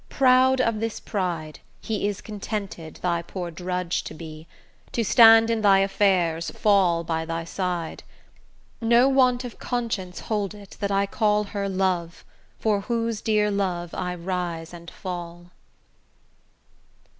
Proud of this pride, He is contented thy poor drudge to be, To stand in thy affairs, fall by thy side. No want of conscience hold it that I call Her 'love,' for whose dear love I rise and fall.